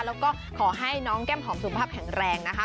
แล้วก็ขอให้น้องแก้มหอมสุขภาพแข็งแรงนะคะ